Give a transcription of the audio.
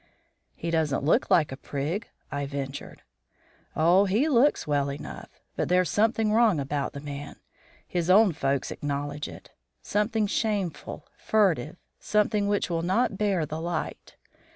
"He doesn't look like a prig," I ventured. "Oh, he looks well enough. But there's something wrong about the man. His own folks acknowledge it; something shameful, furtive; something which will not bear the light.